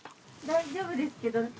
大丈夫ですけど。